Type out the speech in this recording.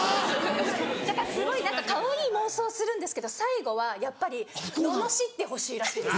だからすごい何かかわいい妄想をするんですけど最後はやっぱりののしってほしいらしいんです。